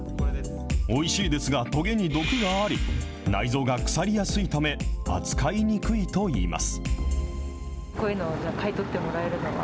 おいしいですが、とげに毒があり、内臓が腐りやすいため、扱いにくいといいます。